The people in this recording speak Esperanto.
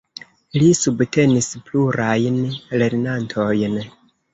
Li subtenis plurajn lernantojn.